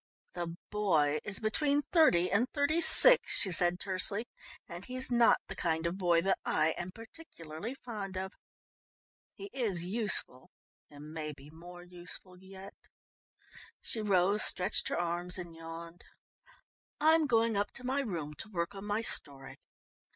"The boy is between thirty and thirty six," she said tersely. "And he's not the kind of boy that I am particularly fond of. He is useful and may be more useful yet." She rose, stretched her arms and yawned. "I'm going up to my room to work on my story.